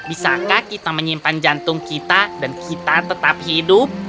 bisakah kita menyimpan jantung kita dan kita tetap hidup